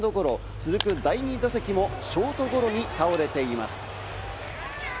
続く第２打席もショートゴロに倒れています。